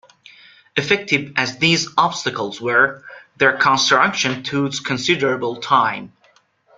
Effective as these obstacles were, their construction took considerable time.